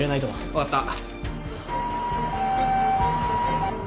分かった。